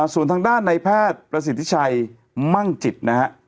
ส่วนทางด้านในแพทย์ประสิทธิชัยมั่งจิตนะฮะ